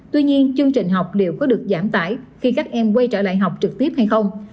tuy nhiên chương trình học liệu có được giảm tải khi các em quay trở lại học trực tiếp hay không